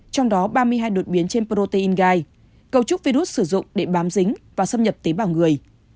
trong đó ba mươi hai đột biến trên protein gai cầu trúc virus sử dụng để bám dính và xâm nhập tế bào người